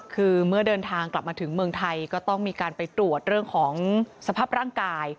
คือเมื่อเดินทางกลับมาถึงเมืองไทยก็ต้องมีการไปตรวจเรื่องของสภาพร่างกาย